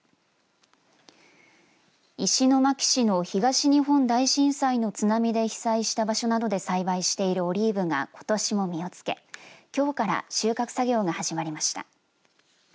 石巻市の東日本大震災の津波で被災した場所などで栽培しているオリーブがことしも実をつけきょうから収穫作業が始まりました。